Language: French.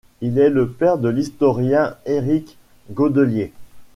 Il est le père de l'historien Éric Godelier.